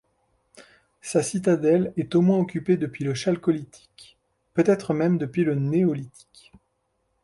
Sa citadelle est au moins occupée depuis le chalcolithique, peut-être même depuis le néolithique.